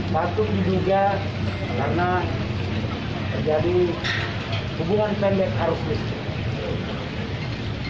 batuk diduga karena terjadi hubungan pendek arus listrik